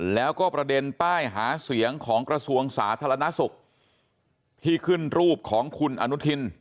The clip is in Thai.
แล้วก็ประเด็นป้ายหาเสียงของกระทรวงสาธารณสุขที่ขึ้นรูปของคุณอนุทิน